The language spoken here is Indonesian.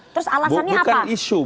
terus alasannya apa